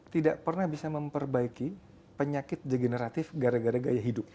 tidak pernah bisa memperbaiki penyakit degeneratif gara gara gaya hidup